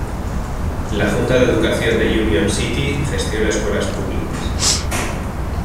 La Junta de Educación de Union City gestiona escuelas públicas.